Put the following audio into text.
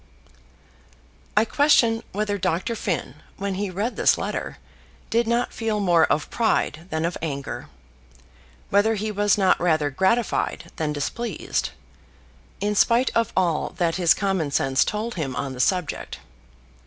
I question whether Dr. Finn, when he read this letter, did not feel more of pride than of anger, whether he was not rather gratified than displeased, in spite of all that his common sense told him on the subject.